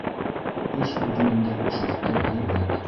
Эш урынында шарттар һәйбәт.